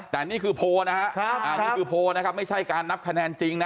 แต่นี่คือโพนะครับไม่ใช่การนับคะแนนจริงนะ